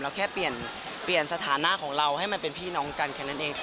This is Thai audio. แค่เปลี่ยนสถานะของเราให้มันเป็นพี่น้องกันแค่นั้นเอง